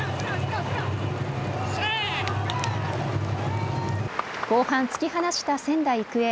後半、突き放した仙台育英。